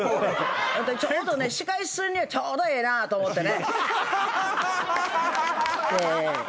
ちょうどね仕返しするにはちょうどええなと思ってね。